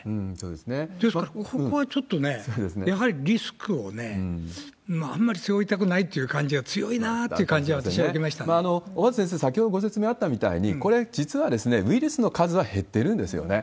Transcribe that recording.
ですから、ここはちょっとね、やはりリスクをね、あんまり背負いたくないという感じが強いなっていう感じは、私は小畠先生、先ほどご説明あったみたいに、これは実はウイルスの数は減ってるんですよね。